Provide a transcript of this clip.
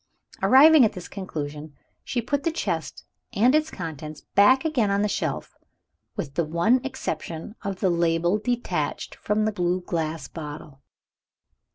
Arriving at this conclusion, she put the chest and its contents back again on the shelf with the one exception of the label detached from the blue glass bottle.